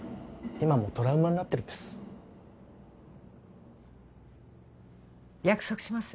今もトラウマになってるんです約束します